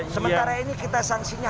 sementara ini kita sanksinya